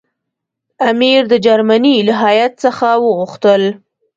امیر د جرمني له هیات څخه وغوښتل.